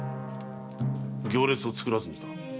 行列を作らずにか？